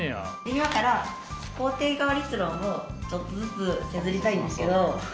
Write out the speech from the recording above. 今から肯定側立論をちょっとずつ削りたいんですけど。